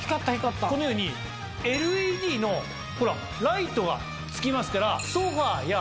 このようにＬＥＤのライトがつきますから。